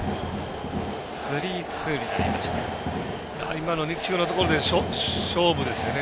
今の２球のところで勝負ですよね。